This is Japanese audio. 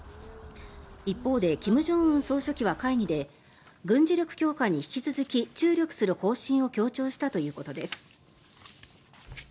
一方で、金正恩総書記は会議で軍事力強化に引き続き注力する方針を強調したということです。